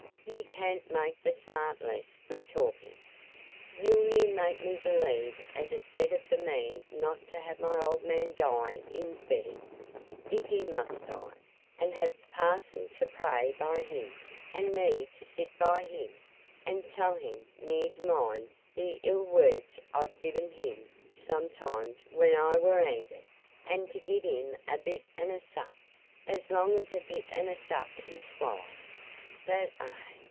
Ye canna make the smart less wi' talkin'. Ye'll ne'er make me believe as it's better for me not to ha' my old man die in's bed, if he must die, an' ha' the parson to pray by him, an' me to sit by him, an' tell him ne'er to mind th' ill words I've gi'en him sometimes when I war angered, an' to gi' him a bit an' a sup, as long as a bit an' a sup he'd swallow. But eh!